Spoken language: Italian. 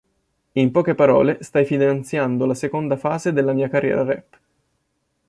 In poche parole, stai finanziando la seconda fase della mia carriera rap".